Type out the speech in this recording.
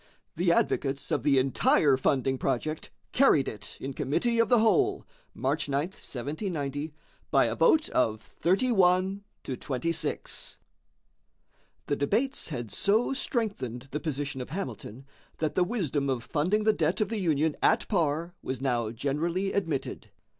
The advocates of the entire funding project carried it in committee of the whole (March 9, 1790) by a vote of 31 to 26. The debates had so strengthened the position of Hamilton that the wisdom of funding the debt of the Union at par was now generally admitted.